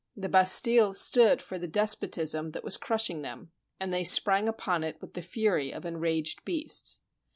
The Bastille stood for the despotism that was crushing them, and they sprang upon it with the fury of enraged beasts.